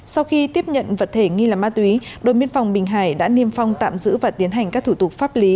sau khi tiếp nhận vật thể nghi là ma túy đồn biên phòng bình hải đã niêm phong tạm giữ và tiến hành các thủ tục pháp lý